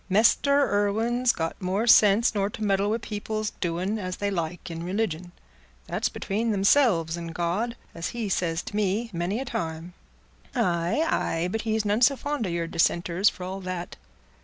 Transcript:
Mester Irwine's got more sense nor to meddle wi' people's doing as they like in religion. That's between themselves and God, as he's said to me many a time." "Aye, aye; but he's none so fond o' your dissenters, for all that."